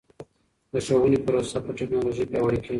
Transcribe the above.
د ښوونې پروسه په ټکنالوژۍ پیاوړې کیږي.